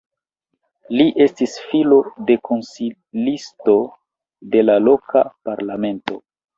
Li estis filo de konsilisto de la loka parlamento.